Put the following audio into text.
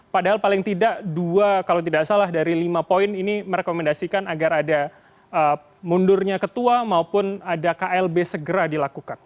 padahal paling tidak dua kalau tidak salah dari lima poin ini merekomendasikan agar ada mundurnya ketua maupun ada klb segera dilakukan